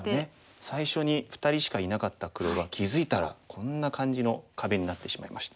最初に２人しかいなかった黒が気付いたらこんな感じの壁になってしまいました。